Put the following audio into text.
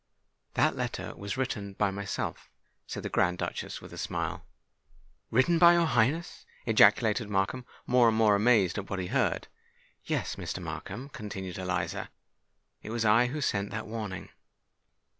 "That letter was written by myself," said the Grand Duchess, with a smile. "Written by your Highness!" ejaculated Markham, more and more amazed at what he heard. "Yes, Mr. Markham," continued Eliza: "it was I who sent that warning.